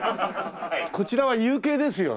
こちらは有形ですよね？